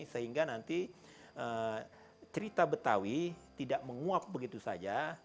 sehingga nanti cerita betawi tidak menguap begitu saja